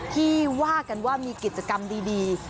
ที่ว่ากันว่ามีกิจกรรมดี